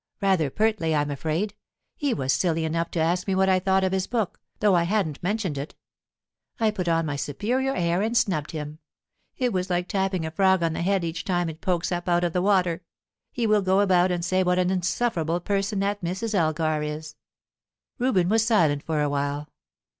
"Rather pertly, I'm afraid. He was silly enough to ask me what I thought of his book, though I hadn't mentioned it. I put on my superior air and snubbed him; it was like tapping a frog on the head each time it pokes up out of the water. He will go about and say what an insufferable person that Mrs. Elgar is." Reuben was silent for a while.